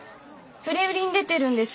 触れ売りに出てるんです。